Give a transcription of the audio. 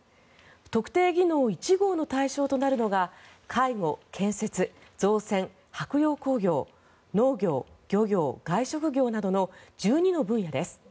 特定技能１号の対象となるのが介護、建設造船・舶用工業、農業、漁業外食業などの１２の分野です。